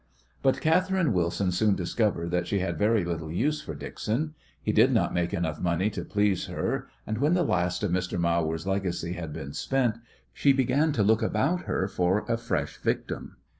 But Catherine Wilson soon discovered that she had very little use for Dixon. He did not make enough money to please her, and when the last of Mr. Mawer's legacy had been spent she began to look about her for a fresh victim.